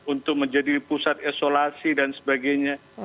untuk menjadi pusat isolasi dan sebagainya